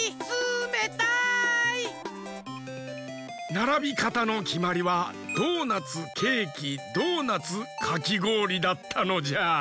ならびかたのきまりはドーナツケーキドーナツかきごおりだったのじゃ。